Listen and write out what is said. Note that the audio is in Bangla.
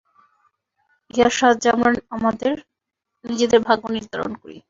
ইহার সাহায্যে আমরা আমাদের নিজেদের ভাগ্য নির্ধারণ করি।